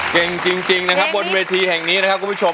เก่งจริงนะครับบนเวทีแห่งนี้นะครับคุณผู้ชม